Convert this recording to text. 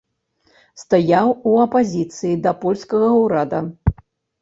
Стаяў у апазіцыі да польскага ўрада.